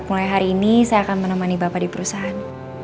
mulai hari ini saya akan menemani bapak di perusahaan